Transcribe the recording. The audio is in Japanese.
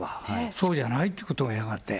そうじゃないってことは、やがて。